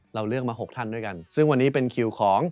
เราเลือกมาหกท่านด้วยกันซึ่งวันนี้เป็นคิวของ